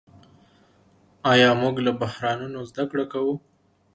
آیا موږ له بحرانونو زده کړه کوو؟